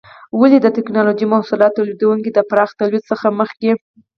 ولې د ټېکنالوجۍ محصولاتو تولیدونکي د پراخه تولید څخه مخکې؟